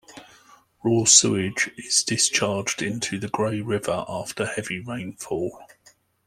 Raw sewage is discharged into the Grey River after heavy rainfall.